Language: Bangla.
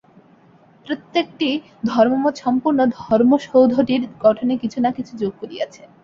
প্রত্যেকটি ধর্মমত সম্পূর্ণ ধর্মসৌধটির গঠনে কিছু না কিছু যোগ করিয়াছে।